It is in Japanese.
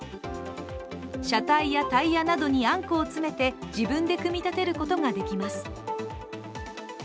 車体やタイヤなどにあんこを詰めて自分で組み立てることができます。